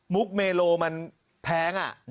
มุกเมโลมันแพงอ่ะ